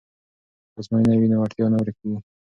که ازموینه وي نو وړتیا نه ورکیږي.